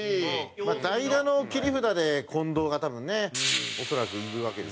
まあ代打の切り札で近藤が多分ね恐らくいるわけですよね。